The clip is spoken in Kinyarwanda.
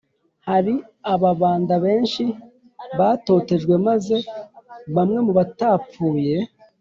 - hari ababanda benshi batotejwe, maze bamwe mu batapfuye